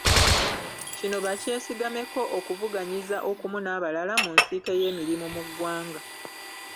Kino bakyesigameko okuvuganyiza okumu n’abalala mu nsiike y’emirimu mu ggwanga.